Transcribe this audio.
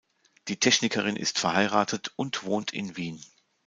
Die Technikerin ist verheiratet und wohnt in Wien.